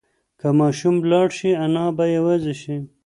که ماشوم لاړ شي انا به یوازې شي.